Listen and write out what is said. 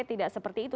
tidak seperti itu